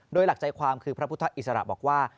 โดยหลักใจความคือพระพุทธอิสระบอกว่า